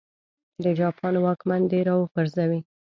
د جاپان واکمن دې را وپرځوي.